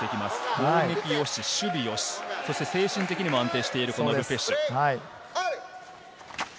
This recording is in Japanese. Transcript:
攻撃良し、守備良し、精神的にも安定しているル・ペシュ。